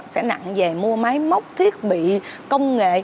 sẽ nặng về mua máy móc thiết bị công nghệ